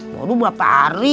baru beberapa hari